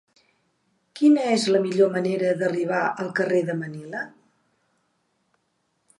Quina és la millor manera d'arribar al carrer de Manila?